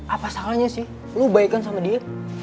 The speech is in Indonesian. apa salahnya sih lo baikan sama dia